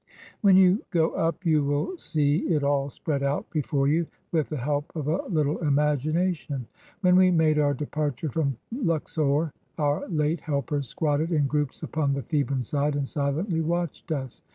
"When you go up, you will see it all spread out before you — with the help of a little imagination. "When we made our departure from Luxor, our late helpers squatted in groups upon the Theban side and silently watched us.